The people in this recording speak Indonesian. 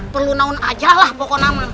perlu naun aja lah pokok nama